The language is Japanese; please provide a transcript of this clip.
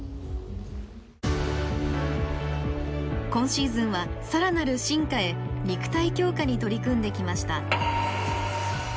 今シーズンは更なる進化へ肉体強化に取り組んできました。